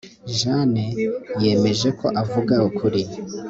Jane yemeje ko avuga ukuri